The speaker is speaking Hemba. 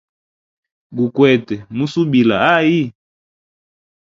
Gukwete musubila hayi.